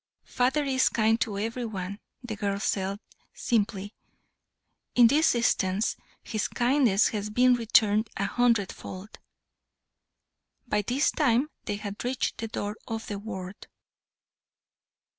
"Father is kind to every one," the girl said, simply. "In this instance his kindness has been returned a hundred fold." By this time they had reached the door of the ward.